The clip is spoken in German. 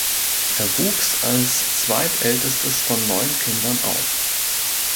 Er wuchs als zweitältestes von neun Kindern auf.